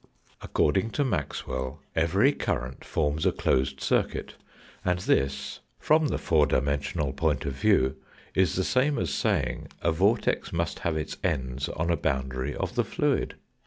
According to Maxwell every current forms a closed circuit, and this, from the four dimensional point of view, is the same as saying a vortex must have its ends on a boundary of the fluid.